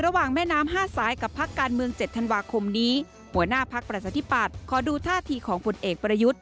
หัวหน้าพักประชาธิปัตย์ขอดูท่าที่ของผลเอกประยุทธ์